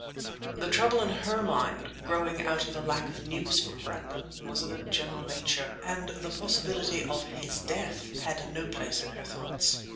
The trouble in her mind, growing out of a lack of news from Brandon, was of a general nature, and the possibility of his death had no place in her thoughts.